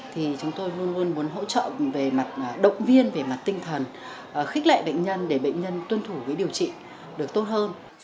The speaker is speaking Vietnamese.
thì chúng tôi luôn luôn muốn hỗ trợ về mặt động viên về mặt tinh thần khích lệ bệnh nhân để bệnh nhân tuân thủ với điều trị được tốt hơn